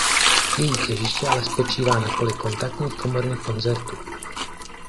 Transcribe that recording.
Její těžiště ale spočívá na poli kontaktních komorních koncertů.